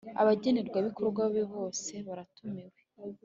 Abagenerwabikorwa be bose baratumiwe.